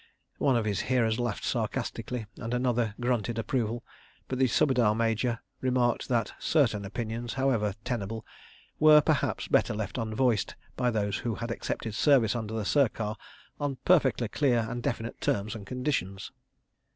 One of his hearers laughed sarcastically, and another grunted approval, but the Subedar Major remarked that certain opinions, however tenable, were, perhaps, better left unvoiced by those who had accepted service under the Sircar on perfectly clear and definite terms and conditions.